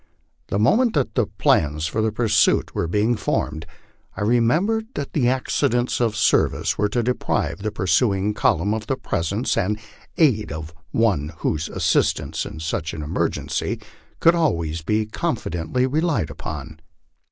The mo ment that the plans for pursuit were being formed, I remembered that the accidents of service were to deprive the pursuing column of the presence and aid of one whose assistance in such an emergency could always be confidently relied upon.